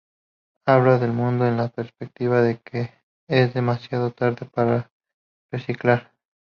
Habla del mundo en la perspectiva de que es demasiado tarde para reciclar.